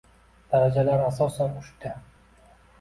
Darajalar asosan uchta